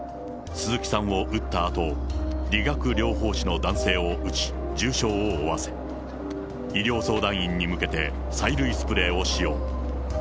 鈴木さんを撃ったあと、理学療法士の男性を撃ち、重傷を負わせ、医療相談員に向けて催涙スプレーを使用。